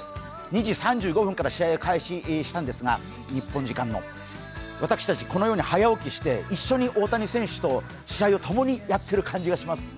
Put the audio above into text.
日本時間の２時３５分から試合は開始したんですが、私たち、このように早起きして一緒に大谷選手と試合をしている感じがします。